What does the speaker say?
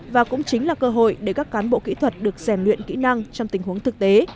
và cũng chính là cơ hội để các cán bộ kỹ thuật được rèn luyện kỹ năng trong tình huống thực tế